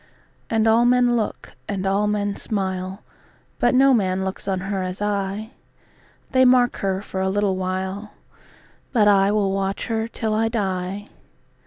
And all men look, and all men smile, But no man looks on her as I:They mark her for a little while, But I will watch her till I die.